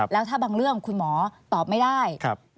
แล้วถ้าบางเรื่องคุณหมอตอบไม่ได้